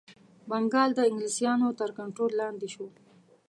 بنګال د انګلیسیانو تر کنټرول لاندي شو.